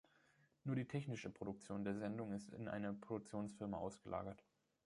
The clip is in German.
Nur die technische Produktion der Sendung ist in eine Produktionsfirma ausgelagert.